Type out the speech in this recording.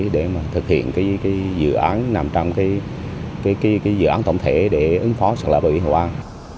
để mà thực hiện cái dự án nằm trong cái dự án tổng thể để ứng phó sạc lỡ bệnh viện hồ an